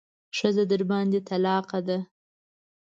ښځه درباندې طلاقه ده.